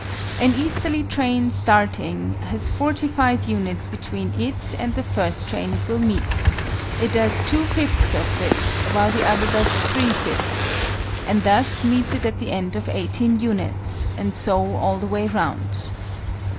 An easterly train starting has 45 units between it and the first train it will meet: it does 2 5ths of this while the other does 3 5ths, and thus meets it at the end of 18 units, and so all the way round.